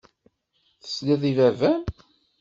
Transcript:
Tesliḍ i baba-m.